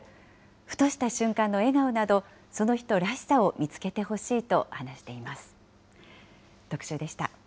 ふとした瞬間の笑顔など、その人らしさを見つけてほしいと話しています。